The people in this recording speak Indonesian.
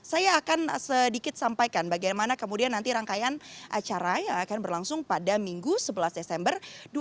saya akan sedikit sampaikan bagaimana kemudian nanti rangkaian acara yang akan berlangsung pada minggu sebelas desember dua ribu dua puluh